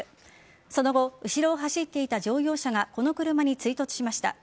その後、後ろを走っていた乗用車がこの車に追突しました。